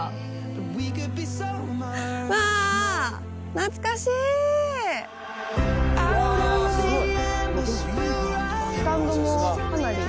懐かしい！わすごい！